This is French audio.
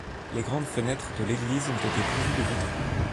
Les grandes fenêtres de l'église ont été pourvues de vitraux.